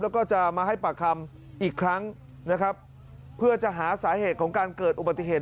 แล้วก็จะมาให้ปากคำอีกครั้งนะครับเพื่อจะหาสาเหตุของการเกิดอุบัติเหตุ